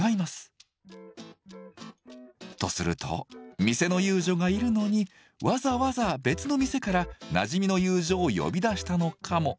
とすると店の遊女がいるのにわざわざ別の店からなじみの遊女を呼び出したのかも。